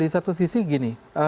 di satu sisi gini